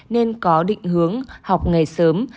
nên có định hướng học ngày sớm